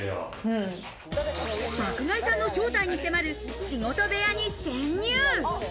爆買いさんの正体に迫る仕事部屋に潜入。